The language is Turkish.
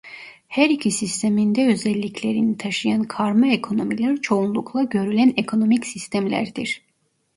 Her iki sistemin de özelliklerini taşıyan karma ekonomiler çoğunlukla görülen ekonomik sistemlerdir.